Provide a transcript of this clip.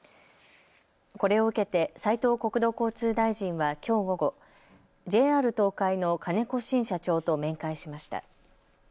これを受けて斉藤国土交通大臣はきょう午後、ＪＲ東海の金子慎社長と面会しました。